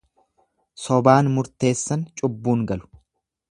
Sobaan murteessan cubbuun galu.